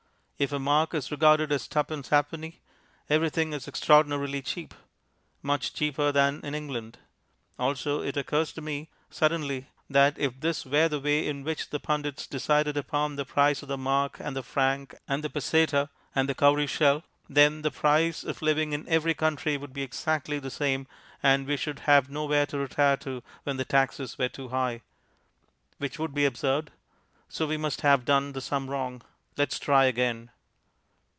If a mark is regarded as tuppence ha'penny, everything is extraordinarily cheap; much cheaper than in England. Also it occurs to me suddenly that if this were the way in which the pundits decided upon the price of the mark and the franc and the peseta and the cowrie shell, then the price of living in every country would be exactly the same, and we should have nowhere to retire to when the taxes were too high. Which would be absurd. So we must have done the sum wrong. Let us try again.